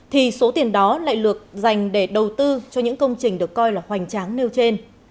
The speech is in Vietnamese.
thì số tiền đó lại được dành để đầu tư cho những công trình được coi là hoành tráng nêu trên